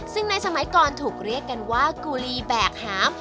ซึ่งในสมัยก่อนถูกเรียกกันว่ากุลีแบกหาม